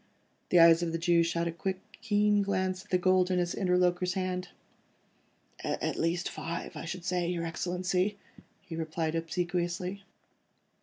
The eyes of the Jew shot a quick, keen glance at the gold in his interlocutor's hand. "At least five, I should say, your Excellency," he replied obsequiously.